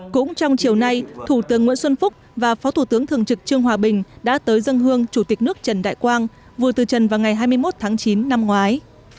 cũng trong chiều nay thủ tướng nguyễn xuân phúc và phó thủ tướng thường trực trương hòa bình đã tới dân hương chủ tịch nước trần đại quang vừa từ trần vào ngày hai mươi một tháng chín năm ngoái